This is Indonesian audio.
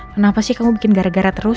kenapa sih kamu bikin gara gara terus